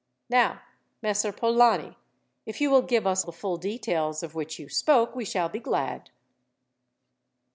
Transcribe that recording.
"Now, Messer Polani, if you will give us the full details of which you spoke, we shall be glad."